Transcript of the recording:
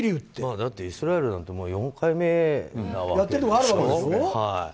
だって、イスラエルなんてもう４回目なわけですしね。